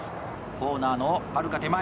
コーナーのはるか手前